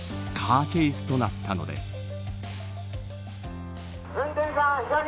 カーチェイスとなったのです。